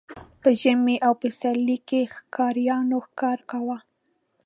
په ژمي او پسرلي کې ښکاریانو ښکار کاوه.